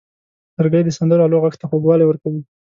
لرګی د سندرو آلو غږ ته خوږوالی ورکوي.